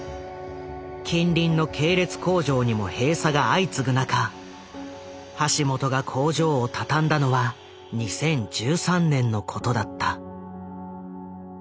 近隣の系列工場にも閉鎖が相次ぐ中橋本が工場を畳んだのは２０１３年のことだった。